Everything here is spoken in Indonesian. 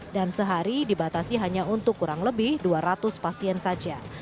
dan sehari dibatasi hanya untuk kurang lebih dua ratus pasien saja